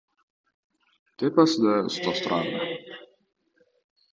Tepasida ustozi turardi: